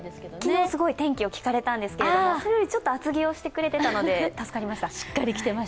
昨日、すごい天気を聞かれたんですけど、それより厚着をしてくれていたので助かりました。